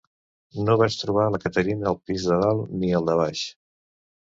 No vaig trobar la Catherine al pis de dalt ni al de baix.